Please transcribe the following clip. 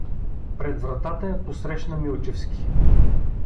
Пред вратата я посрещна Милчевски.